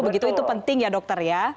begitu itu penting ya dokter ya